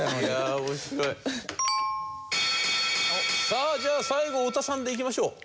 さあじゃあ最後太田さんでいきましょう。